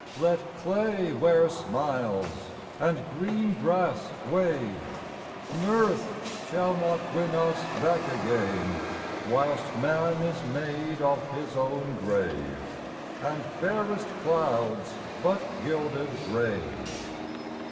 Let clay wear smiles, and green grass wave, Mirth shall not win us back again, Whilst man is made of his own grave, And fairest clouds but gilded rain!